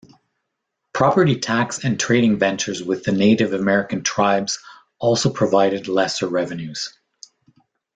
Property tax and trading ventures with the Native American tribes also provided lesser revenues.